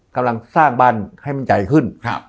กำลังสร้างบ้านให้มันใหญ่ขึ้น